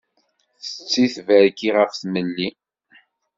Tetti tberki ɣef tmelli.